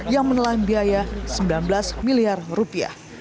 yang menelan biaya sembilan belas miliar rupiah